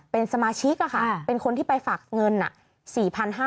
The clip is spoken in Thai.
เป็นสมาชิกเป็นคนที่ไปฝากเงิน